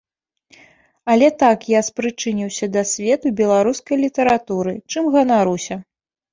Але так я спрычыніўся да свету беларускай літаратуры, чым ганаруся.